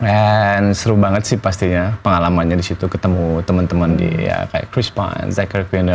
and seru banget sih pastinya pengalamannya di situ ketemu teman teman di chris pine zachary quino